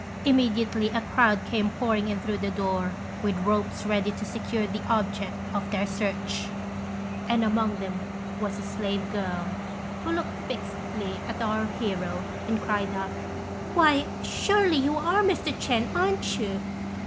Immediately a crowd came pouring in through the door, with ropes ready to secure the object of their search; and among them was a slave girl, who looked fixedly at our hero, and cried out, "Why, surely you are Mr. Ch'ên, aren't you?"